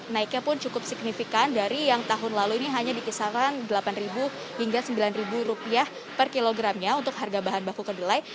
naiknya pun cukup signifikan dari yang tahun lalu ini hanya di kisaran rp delapan hingga rp sembilan per kilogramnya untuk harga bahan baku kedelai